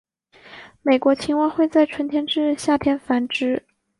美国青蛙会在春天至夏天繁殖。